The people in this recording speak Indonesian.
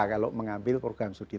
kalau mengambil program studi